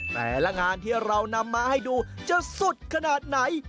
แต่ละงานที่เรานำมาให้ดูจะสุดขนาดไหน